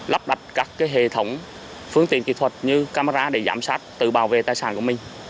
lắp đặt các hệ thống phương tiện kỹ thuật như camera để giám sát tự bảo vệ tài sản của mình